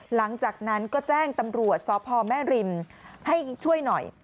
หลังจากนั้นก็แจ้งตำรวจสพแม่ริมให้ช่วยหน่อย